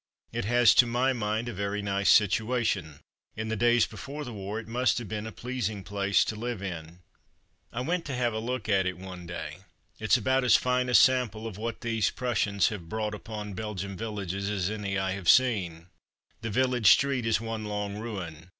It has, to my mind, a very nice situation. In the days before the war it must have been a pleasing place to live in. I went to have a look at it one day. It's about as fine a sample of what these Prussians have brought upon Belgian villages as any I have seen. The village street is one long ruin.